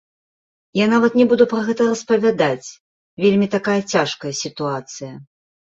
Я нават не буду пра гэта распавядаць, вельмі такая цяжкая сітуацыя.